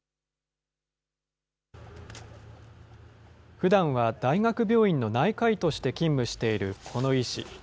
ふだんは大学病院の内科医として勤務しているこの医師。